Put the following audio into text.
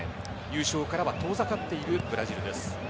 優勝からは遠ざかっているブラジルです。